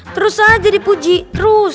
terus aja dipuji terus